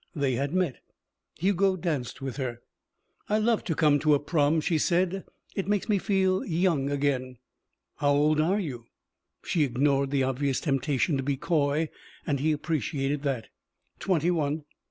They had met. Hugo danced with her. "I love to come to a prom," she said; "it makes me feel young again." "How old are you?" She ignored the obvious temptation to be coy and he appreciated that. "Twenty one."